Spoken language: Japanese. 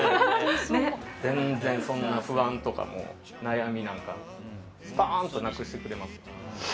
全然、不安とか悩みなんかスパーンとなくしてくれます。